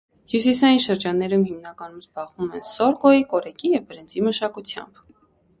Հյուսիսային շրջաններում հիմնականում զբաղվում են սորգոյի, կորեկի ու բրինձի մշակությամբ։